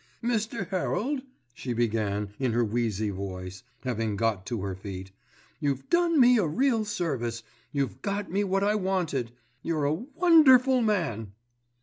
"Mr. Herald," she began, in her wheezy voice, having got to her feet, "you've done me a real service, you've got me what I wanted. You're a wonderful man."